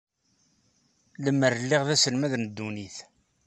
Limer lliɣ d aselmad n ddunit.